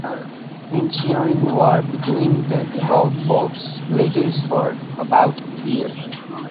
The ensuing war between the rival Popes lasted for about a year.